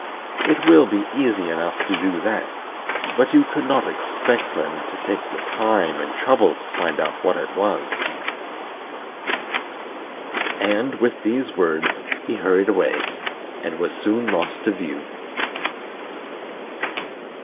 It will be easy enough to do that, but you could not expect them to take the time and trouble to find out what it was." And, with these words, he hurried away, and was soon lost to view.